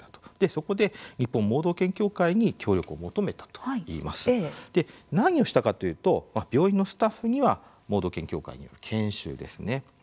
そこで、日本盲導犬協会に協力を求めたといいます。何をしたかというと病院のスタッフには盲導犬協会による研修ですね。